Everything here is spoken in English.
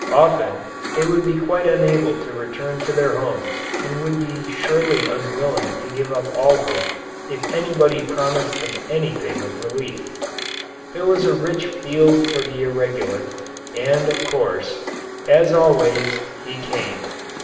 Often they would be quite unable to return to their homes and would be surely unwilling to give up all hope if anybody promised them anything of relief. There was a rich field for the irregular, and of course, as always, he came.